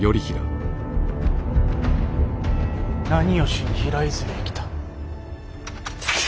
何をしに平泉へ来た。